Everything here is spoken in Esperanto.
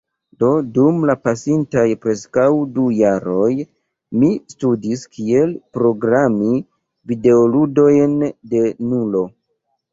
Do dum la pasintaj preskaŭ du jaroj mi studis kiel programi videoludojn de nulo.